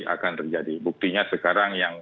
akan terjadi buktinya sekarang yang